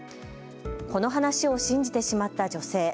この話を信じてしまった女性。